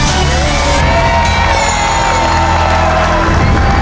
เย้